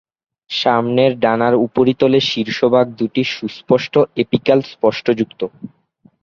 সামনের ডানার উপরিতলে শীর্ষভাগ দুটি সুস্পষ্ট এপিকাল স্পষ্টযুক্ত।